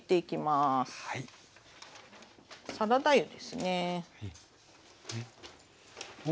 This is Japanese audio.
サラダ油ですね。